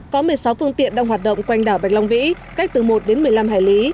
có một mươi sáu phương tiện đang hoạt động quanh đảo bạch long vĩ cách từ một đến một mươi năm hải lý